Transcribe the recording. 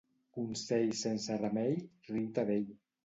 Consell sense remei, riu-te d'ell.